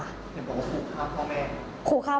เห็นบอกว่าขู่ค่าพ่อแม่